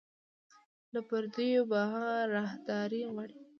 له پردیو به هغه راهداري غواړي